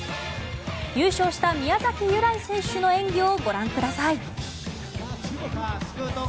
優勝した宮崎裕来選手の演技をご覧ください。